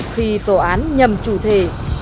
khi tòa án nhầm chủ thề